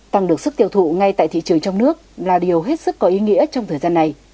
tăng được sức tiêu thụ ngay tại thị trường trong nước là điều hết sức có ý nghĩa trong thời gian này